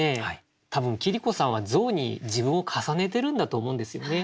多分桐子さんは象に自分を重ねてるんだと思うんですよね。